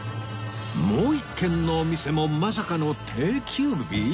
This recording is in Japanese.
もう一軒のお店もまさかの定休日？